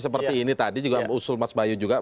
seperti ini tadi juga usul mas bayu juga